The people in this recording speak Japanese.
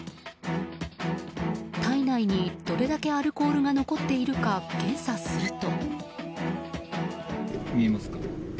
体内にどれだけアルコールが残っているか検査すると。